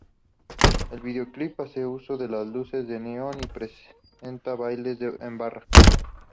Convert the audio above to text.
El videoclip hace uso de luces de neón y presenta bailes en barra.